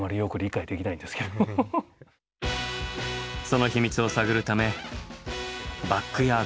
その秘密を探るためバックヤードへ。